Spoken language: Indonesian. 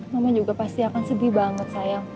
mama juga pasti akan sedih banget sayang